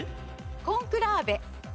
コンクラーベ。